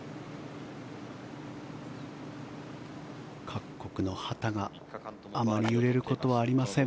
各国の旗があまり揺れることはありません。